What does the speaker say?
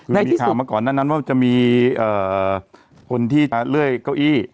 คือมีข่าวมาก่อนหน้านั้นว่าจะมีคนที่เลื่อยเก้าอี้